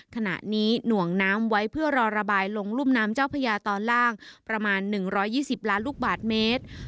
ขณะนี้หน่วงน้ำไว้เพื่อรอระบายลงรุ่มน้ำเจ้าพญาตอนล่างประมาณ๑๒๐ล้านลูกบาทเมตร